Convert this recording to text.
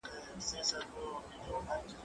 زه اجازه لرم چي شګه پاک کړم!؟